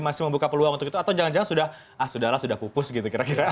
masih membuka peluang untuk itu atau jangan jangan sudah ah sudah lah sudah pupus gitu kira kira